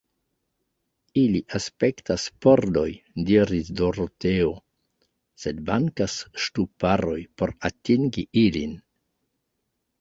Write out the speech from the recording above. Ili aspektas pordoj, diris Doroteo; sed mankas ŝtuparoj por atingi ilin.